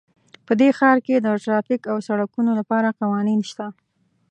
په دې ښار کې د ټرافیک او سړکونو لپاره قوانین شته